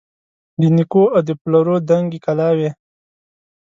د نیکو او د پلرو دنګي کلاوي